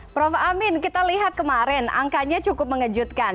prof amin kita lihat kemarin angkanya cukup mengejutkan